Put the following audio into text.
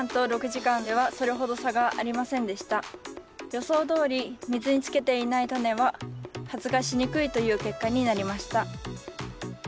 予想どおり水につけていないタネは発芽しにくいという結果になりました。